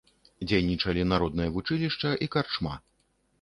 Дзейнічалі народнае вучылішча і карчма.